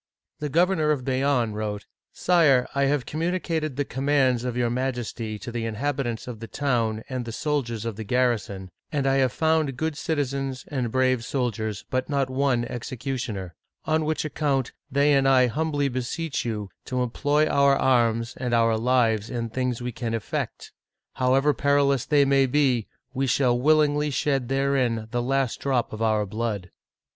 The governor of Bayonne wrote :" Sire, I have com municated the commands of your Majesty to the inhabit ants of the town and the soldiers of the garrison, and I have found good citizens and brave soldiers, but not one executioner ; on which account, they and I humbly beseech Digitized by Google CHARLES IX. (1560 15 74) 265 you to employ our arms and our lives in things we can effect. However perilous they may be, we shall willingly shed therein the last drop of our blood!'